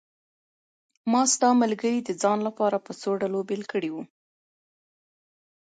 ما ستا ملګري د ځان لپاره په څو ډلو بېل کړي وو.